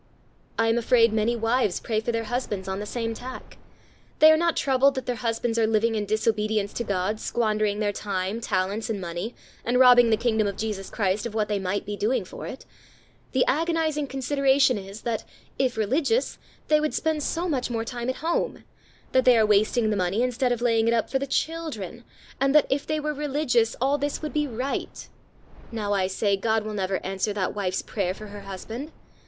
I am afraid many wives pray for their husbands on the same tack. They are not troubled that their husbands are living in disobedience to God, squandering their time, talents, and money, and robbing the kingdom of Jesus Christ of what they might be doing for it; the agonizing consideration is, that, if religious, they would spend so much more time at home; that they are wasting the money, instead of laying it up for the children; and that, if they were religious, all this would be right. Now, I say, God will never answer that wife's prayer for her husband!